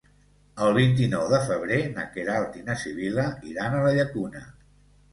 El vint-i-nou de febrer na Queralt i na Sibil·la iran a la Llacuna.